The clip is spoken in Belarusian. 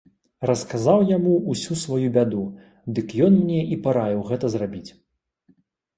Расказаў яму ўсю сваю бяду, дык ён мне і параіў гэта зрабіць.